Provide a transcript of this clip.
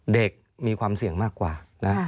มีความเสี่ยงมากกว่านะ